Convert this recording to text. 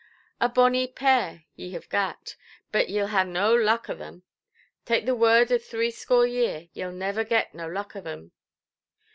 "A bonnie pair ye have gat; but yeʼll ha' no luck o' them. Tak' the word of threescore year, yeʼll never get no luck o' 'em".